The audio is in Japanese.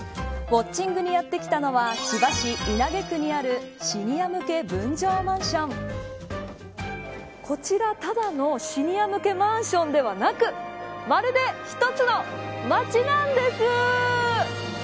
ウオッチングにやってきたのは千葉市稲毛区にあるこちら、ただのシニア向けマンションではなくまるで一つの街なんです。